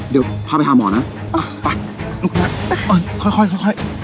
เดี๋ยวพาไปถามหมอนะอ่าปะลูกมันโอ้ยค่อยค่อยค่อยค่อย